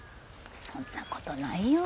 そんなことないよ。